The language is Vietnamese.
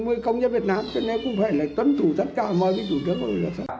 mới công nhất việt nam nên cũng phải là tuân chủ tất cả mọi cái chủ trước của người dân